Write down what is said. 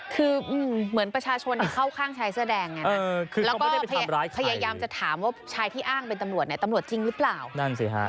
คือเหมือนประชาชนเข้าข้างชายเสื้อแดงไงนะแล้วก็พยายามจะถามว่าชายที่อ้างเป็นตำรวจเนี่ยตำรวจจริงหรือเปล่านั่นสิฮะ